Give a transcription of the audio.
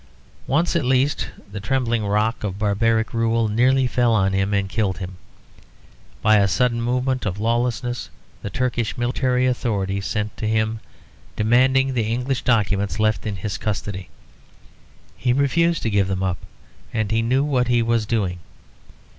Once at least the trembling rock of barbaric rule nearly fell on him and killed him. By a sudden movement of lawlessness the Turkish military authorities sent to him, demanding the English documents left in his custody. He refused to give them up; and he knew what he was doing.